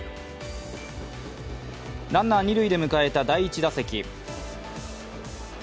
ランナー二塁で迎えた第１打席。